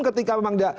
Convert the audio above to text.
ketika memang dia